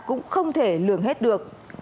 cũng không thể lường hết được